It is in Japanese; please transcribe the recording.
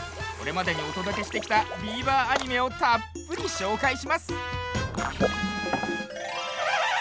これまでにおとどけしてきたビーバーアニメをたっぷりしょうかいします！